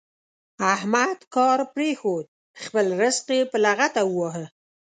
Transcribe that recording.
احمد کار پرېښود؛ خپل زرق يې په لغته وواهه.